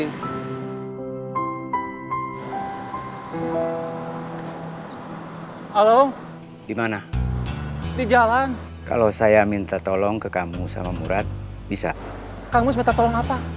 halo gimana di jalan kalau saya minta tolong ke kamu sama murad bisa kamu semeta tolong apa